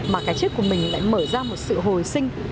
mà cái chết của mình lại mở ra một sự hồi sinh